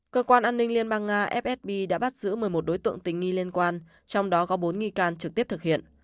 cơ quan an ninh liên bang nga fsb đã bắt giữ một mươi một đối tượng tình nghi liên quan trong đó có bốn nghi can trực tiếp thực hiện